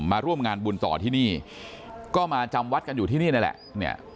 มาร่วมงานบุญต่อที่นี่ก็มาจำวัดกันอยู่ที่นี่นั่นแหละเนี่ย